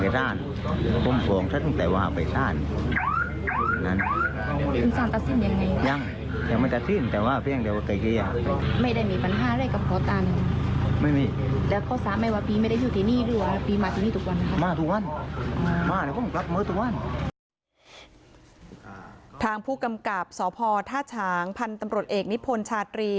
ตรงว่าทางผู้กำกับศภทหัสฉางพันธ์ตำบรตเอกนิพนศ์ชาตรี